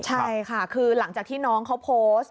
ใช่ค่ะคือหลังจากที่น้องเขาโพสต์